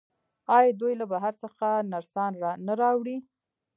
آیا دوی له بهر څخه نرسان نه راوړي؟